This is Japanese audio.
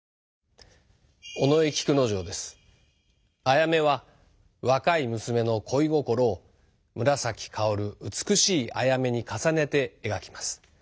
「あやめ」は若い娘の恋心を紫かおる美しいアヤメに重ねて描きます。